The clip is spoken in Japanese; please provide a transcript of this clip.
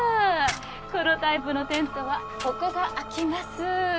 このタイプのテントはここが開きます。